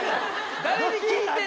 誰に聞いてんねん！